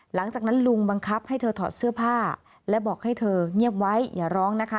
หลังจากนั้นลุงบังคับให้เธอถอดเสื้อผ้าและบอกให้เธอเงียบไว้อย่าร้องนะคะ